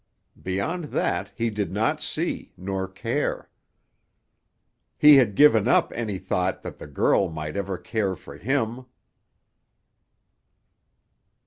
Beyond that he did not see, nor care. He had given up any thought that the girl might ever care for him.